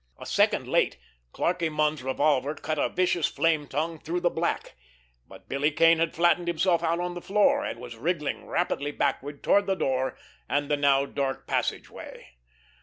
A second late, Clarkie Munn's revolver cut a vicious flame tongue through the black, but Billy Kane had flattened himself out on the floor, and was wriggling rapidly backward toward the door and the now dark passageway.